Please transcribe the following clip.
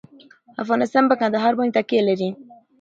افغانستان په کندهار باندې تکیه لري.